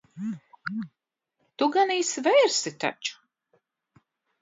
Tu ganīsi vērsi taču.